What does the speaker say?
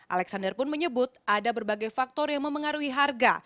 alexander pun menyebut ada berbagai faktor yang memengaruhi harga